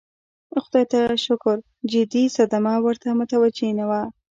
خدای ته شکر جدي صدمه ورته متوجه نه وه.